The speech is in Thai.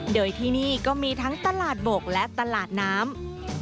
โดยที่นี่ก็มีทั้งตลาดบกและตลาดน้ำ